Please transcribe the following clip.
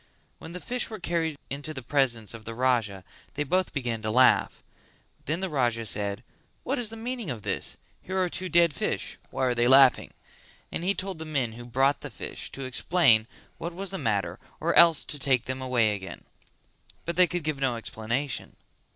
When the fish were carried into the presence of the Raja they both began to laugh: then the Raja said "What is the meaning of this? Here are two dead fish, why are they laughing?" And he told the men who brought the fish to explain what was the matter or else to take them away again. But they could give no explanation.